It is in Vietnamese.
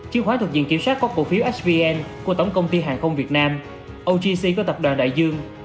chứng khoán thuộc diện kiểm soát có cổ phiếu hvn của tổng công ty hàng không việt nam ogc của tập đoàn đại dương